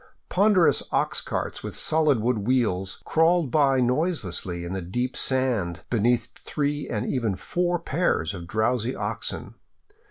Ponderous ox carts with solid wooden wheels crawled by noiselessly in the deep sand behind three and even four pairs of drowsy oxen.